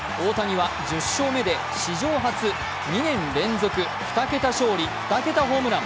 大谷は１０勝目で史上初２年連続、２桁勝利、２桁ホームラン。